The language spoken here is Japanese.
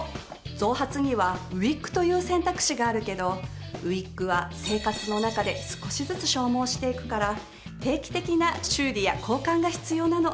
増髪にはウィッグという選択肢があるけどウィッグは生活の中で少しずつ消耗していくから定期的な修理や交換が必要なの。